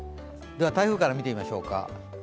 台風から見てみましょうか。